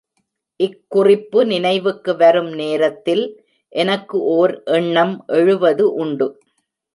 இக்குறிப்பு நினைவுக்கு வரும் நேரத்தில், எனக்கு ஓர் எண்ணம் எழுவது உண்டு.